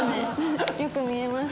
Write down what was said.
よく見えます。